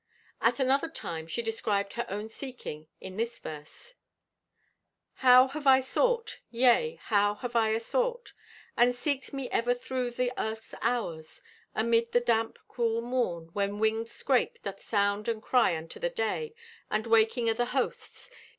At another time she described her own seeking in this verse: How have I sought! Yea, how have I asought, And seeked me ever through the earth's hours, Amid the damp, cool moon, when winged scrape Doth sound and cry unto the day The waking o' the hosts!